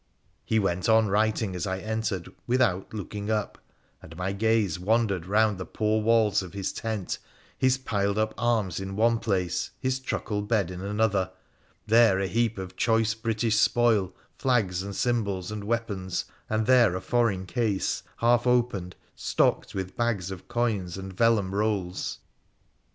He went on writing as I entered, without looking up ; and my gaze wandered round the poor walls of his tent, his piled up arms in one place, his truckle bed in another, there a heap of choice British spoil, flags and symbols and weapons, and there a foreign case, half opened, stocked with bags of coins and vellum rolls.